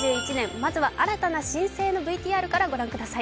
まずは新たな新星のＶＴＲから御覧ください。